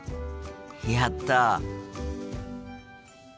やった！